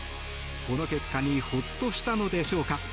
この結果にほっとしたのでしょうか